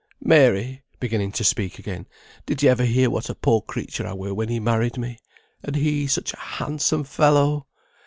"Mary," beginning to speak again, "did you ever hear what a poor creature I were when he married me? And he such a handsome fellow!